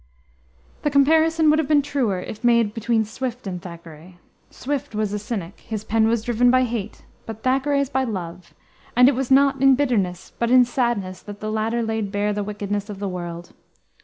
The comparison would have been truer if made between Swift and Thackeray. Swift was a cynic; his pen was driven by hate, but Thackeray's by love, and it was not in bitterness but in sadness that the latter laid bare the wickedness of the world.